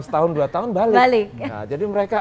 setahun dua tahun balik jadi mereka